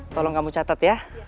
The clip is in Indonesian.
tolong kamu catat ya